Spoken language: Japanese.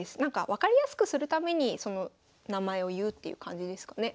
分かりやすくするためにその名前を言うっていう感じですかね。